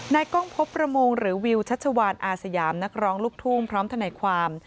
กล้องพบประมงหรือวิวชัชวานอาสยามนักร้องลูกทุ่งพร้อมทนายความ